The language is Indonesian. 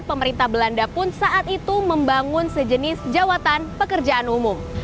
pemerintah belanda pun saat itu membangun sejenis jawatan pekerjaan umum